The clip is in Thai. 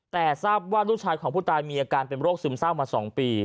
แต่ทราบว่าลูกชายของผู้ตายมีอาการเป็นโรคซึมเศร้ามา๒ปี